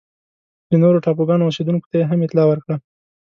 د نورو ټاپوګانو اوسېدونکو ته یې هم اطلاع ورکړه.